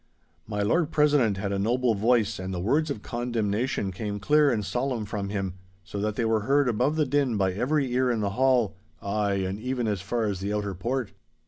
My Lord President had a noble voice and the words of condemnation came clear and solemn from him, so that they were heard above the din by every ear in the hall—ay, and even as far as the outer port.